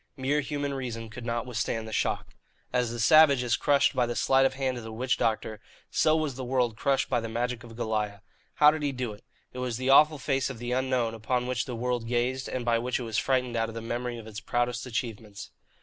Mere human reason could not withstand the shock. As the savage is crushed by the sleight of hand of the witch doctor, so was the world crushed by the magic of Goliah. How did he do it? It was the awful face of the Unknown upon which the world gazed and by which it was frightened out of the memory of its proudest achievements.